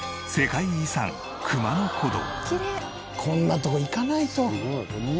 こんなとこ行かないと。